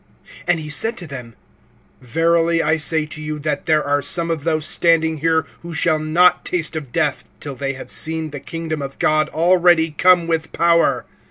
AND he said to them: Verily I say to you, that there are some of those standing here, who shall not taste of death, till they have seen the kingdom of God already come with power.